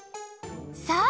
そう！